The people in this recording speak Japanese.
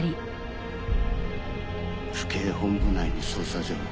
府警本部内の捜査情報